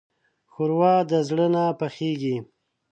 ښوروا د زړه نه پخېږي.